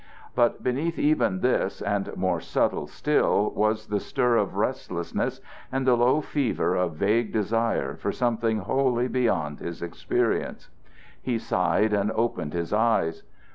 But beneath even this, and more subtle still, was the stir of restlessness and the low fever of vague desire for something wholly beyond his experience. He sighed and opened his eyes.